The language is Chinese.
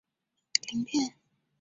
肛门盖是单一块鳞片。